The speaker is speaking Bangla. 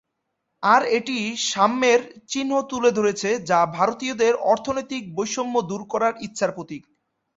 আর এটি সাম্যের চিহ্ন তুলে ধরেছে যা ভারতীয়দের অর্থনৈতিক বৈষম্য দূর করার ইচ্ছার প্রতীক।